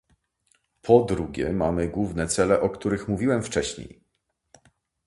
Po drugie, mamy główne cele, o których mówiłem wcześniej